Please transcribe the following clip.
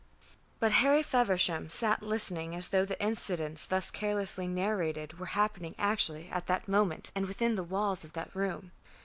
But Harry Feversham sat listening as though the incidents thus carelessly narrated were happening actually at that moment and within the walls of that room.